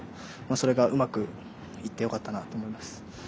それがうまくいってよかったなと思います。